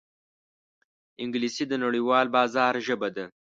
انګلیسي د نړیوال بازار ژبه ده